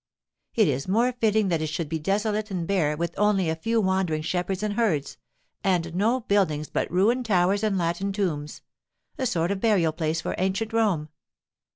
It is more fitting that it should be desolate and bare, with only a few wandering shepherds and herds, and no buildings but ruined towers and Latin tombs—a sort of burial place for Ancient Rome.